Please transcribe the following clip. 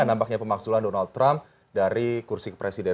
nampaknya pemaksulan donald trump dari kursi kepresidenan